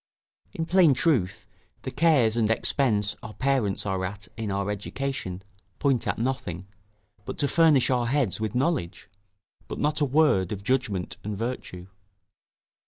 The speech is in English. In plain truth, the cares and expense our parents are at in our education, point at nothing, but to furnish our heads with knowledge; but not a word of judgment and virtue.